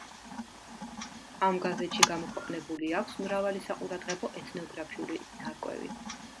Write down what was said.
ამ გაზეთში გამოქვეყნებული აქვს მრავალი საყურადღებო ეთნოგრაფიული ნარკვევი.